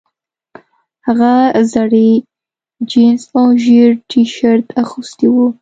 هغه زړې جینس او ژیړ ټي شرټ اغوستی و